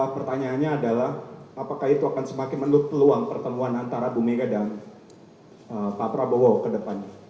pertanyaannya adalah apakah itu akan semakin menutup peluang pertemuan antara bu mega dan pak prabowo ke depannya